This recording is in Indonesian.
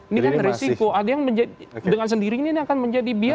ini kan risiko ada yang dengan sendiri ini akan menjadi biaya